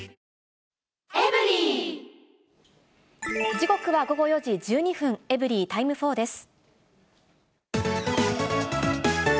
時刻は午後４時１２分、エブリィタイム４です。